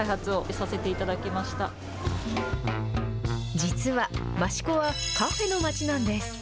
実は、益子はカフェの町なんです。